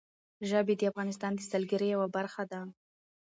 ژبې د افغانستان د سیلګرۍ یوه برخه ده.